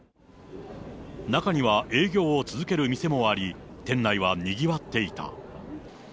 中には、営業を続ける店もあり、店内はにぎわっていた。